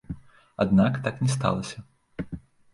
Аднак так не сталася.